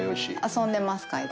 遊んでます。